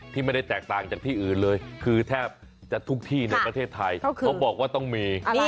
ที่ไม่ได้แตกต่างจากที่อื่นเลยคือแทบจะทุกที่ในประเทศไทยเขาบอกว่าต้องมี